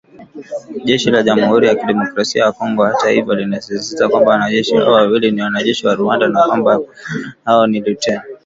Jeshi la jamuhuri ya kidemokrasia ya Kongo hata hivyo linasisitiza kwamba wanajeshi hao wawili ni wanajeshi wa Rwanda na kwamba kamanda wao ni Luteni